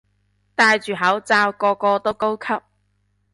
戴住口罩個個都高級